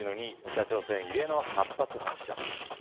北朝鮮、異例の８発発射。